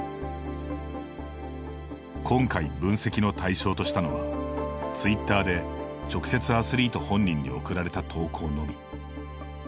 今回、分析の対象としたのはツイッターで直接アスリート本人に送られた投稿のみ。